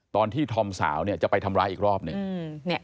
ตอนที่ธอมสาวเนี่ยจะไปทำร้ายอีกรอบหนึ่ง